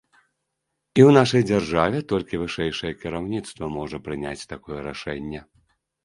І ў нашай дзяржаве толькі вышэйшае кіраўніцтва можа прыняць такое рашэнне.